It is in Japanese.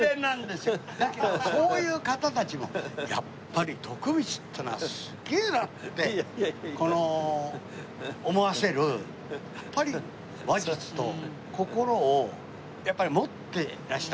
けどそういう方たちもやっぱり徳光っていうのはすげえなってこの思わせる話術と心をやっぱり持ってらした。